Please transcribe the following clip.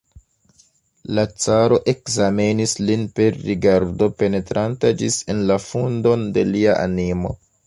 La caro ekzamenis lin per rigardo, penetranta ĝis en la fundon de lia animo.